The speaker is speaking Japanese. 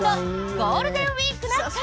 「ゴールデンウィークな会」！